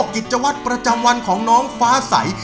กิจวัตรประจำวันของน้องฟ้าใส